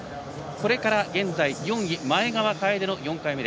これから、現在４位前川楓の４回目。